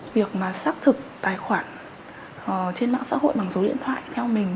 việc mà xác thực tài khoản trên mạng xã hội bằng số điện thoại theo mình